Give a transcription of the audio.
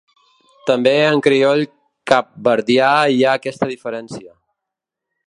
També en crioll capverdià hi ha aquesta diferència.